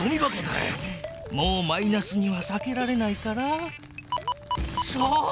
もうマイナスにはさけられないからそう！